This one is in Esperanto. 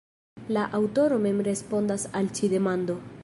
La aŭtoro mem respondas al ĉi demando.